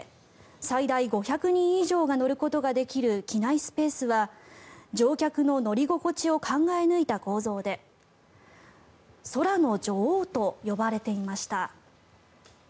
最大５００人以上が乗ることができる機内スペースは乗客の乗り心地を考え抜いた構造で空の女王と呼ばれていました。